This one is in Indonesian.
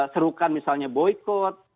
serukan misalnya boycott